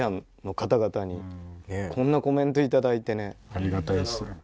ありがたいですね。